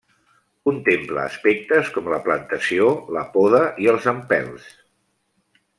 Contempla aspectes com la plantació, la poda i els empelts.